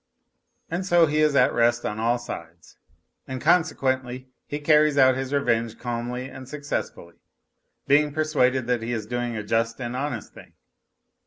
And so he is at rest on all sides, and consequently he carries out his revenge calmly and successfully, being persuaded that he is doing a just and honest thing.